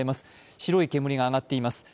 白い煙が上がっています。